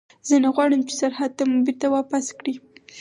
زه نه غواړم چې سرحد ته مو بېرته واپس کړي.